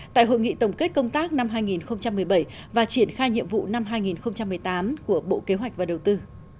tại hội nghị tổng kết công tác năm hai nghìn một mươi bảy và triển khai nhiệm vụ năm hai nghìn một mươi tám của bộ kế hoạch và đầu tư